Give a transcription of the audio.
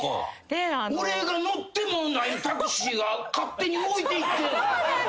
俺が乗ってもないタクシーが勝手に動いていってんねん。